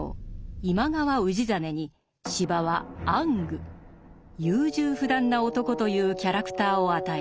今川氏真に司馬は「暗愚」優柔不断な男というキャラクターを与えている。